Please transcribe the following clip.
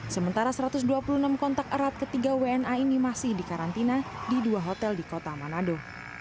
sementara satu ratus dua puluh enam kontak erat ketiga wna ini masih dikarantina di dua hotel di kota manado